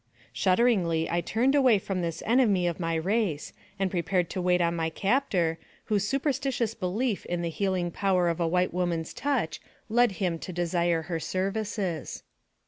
Shudderingly I turned away from this enemy of my race, and prepared to wait on my captor, whose super stitious belief in the healing power of a white woman's touch led him to desire her services.